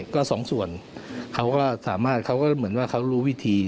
ก็สองส่วนเขาก็สามารถเขาก็เหมือนว่าเขารู้วิธี